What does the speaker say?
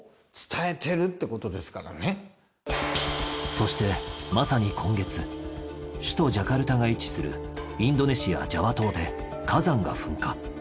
そしてまさに今月首都ジャカルタが位置するインドネシアジャワ島で火山が噴火。